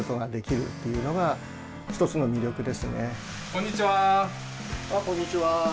こんにちは！